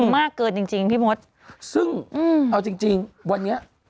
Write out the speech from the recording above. มากเกินจริงจริงพี่มดซึ่งเอาจริงจริงวันนี้